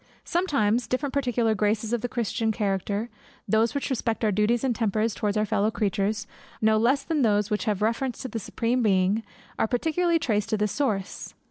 Sometimes different particular graces of the Christian character, those which respect our duties and tempers towards our fellow creatures, no less than those which have reference to the Supreme Being, are particularly traced to this source.